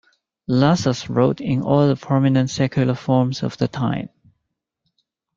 Lassus wrote in all the prominent secular forms of the time.